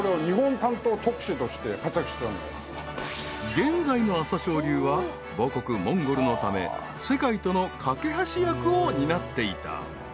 ［現在の朝青龍は母国モンゴルのため世界との懸け橋役を担っていた］